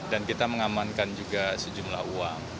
dan kita mengamankan juga sejumlah uang